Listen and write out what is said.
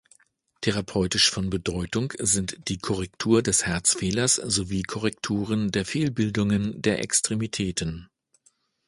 Therapeutisch von Bedeutung sind die Korrektur des Herzfehlers sowie Korrekturen der Fehlbildungen der Extremitäten.